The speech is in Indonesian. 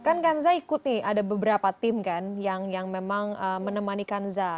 kan kanza ikut nih ada beberapa tim kan yang memang menemani kanza